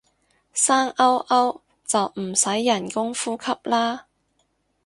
生勾勾就唔使人工呼吸啦